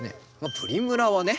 プリムラはね